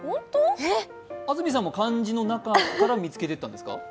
安住さんも漢字の中から見つけたんですか？